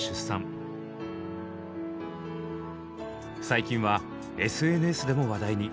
最近はＳＮＳでも話題に。